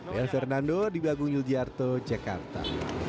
bel fernando di bagung yuljiarto jakarta